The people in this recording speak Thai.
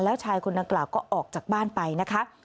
แล้วชายคนดังกล่าวก็ออกจากบ้านไปนะคะ